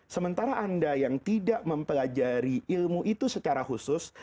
sementara anda yang tidak mempelajari ilmu itu secara khusus